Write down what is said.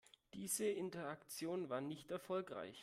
Diese Interaktion war nicht erfolgreich.